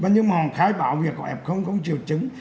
nhưng mà họ khái bảo việc của f không triệu chứng